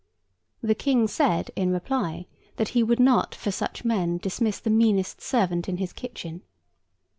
The King said in reply, that he would not for such men dismiss the meanest servant in his kitchen.